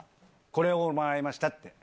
これをもらいましたって。